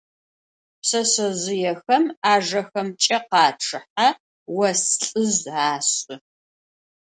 Pşseşsezjıêxem 'ajjexemç'e khaççıhe, vos lh'ızj aş'ı.